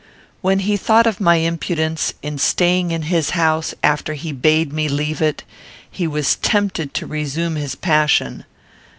When he thought of my impudence, in staying in his house after he had bade me leave it, he was tempted to resume his passion.